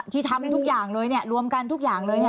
ที่ทำทุกอย่างเลยเนี่ยรวมกันทุกอย่างเลยเนี่ย